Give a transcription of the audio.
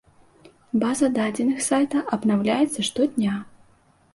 База дадзеных сайта абнаўляецца штодня.